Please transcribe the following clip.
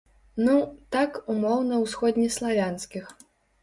Ну, так умоўна ўсходнеславянскіх.